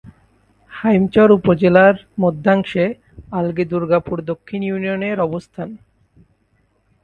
হাইমচর উপজেলার মধ্যাংশে আলগী দুর্গাপুর দক্ষিণ ইউনিয়নের অবস্থান।